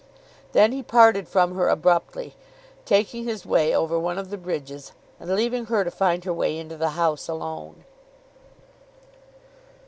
Then he parted from her abruptly, taking his way over one of the bridges, and leaving her to find her way into the house alone.